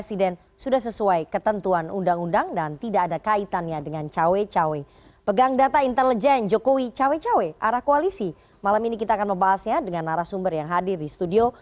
ini ada habib abubakar al habsi